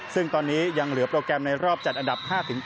ซึ่งตอนนี้ยังเหลือโปรแกรมในรอบจัดอันดับ๕๘